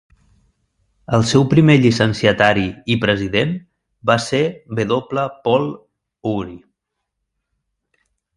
El seu primer llicenciatari i president va ser W. Paul Oury.